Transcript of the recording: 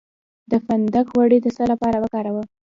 د فندق غوړي د څه لپاره وکاروم؟